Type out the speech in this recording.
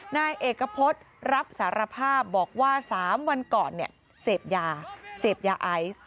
นายเอกพฤษรับสารภาพบอกว่า๓วันก่อนเนี่ยเสพยาเสพยาไอซ์